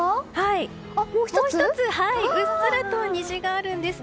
もう１つ、うっすらと虹があるんです。